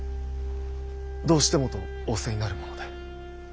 どうしてもと仰せになるもので。